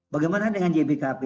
bagaimana dengan jpkp